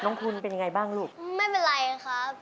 น้องคุณเป็นอย่างไรบ้างลูกนี้คือไม่เป็นไรครับ